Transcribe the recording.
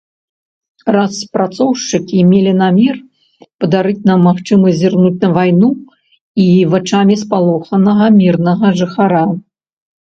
Распрацоўшчыкі мелі намер падарыць нам магчымасць зірнуць на вайну і вачамі спалоханага мірнага жыхара.